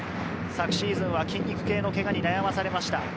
昨シーズンは筋肉系のけがに悩まされました。